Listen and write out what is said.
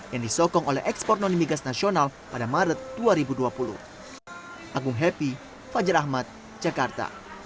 yang disokong oleh ekspor noni migas nasional pada maret dua ribu dua puluh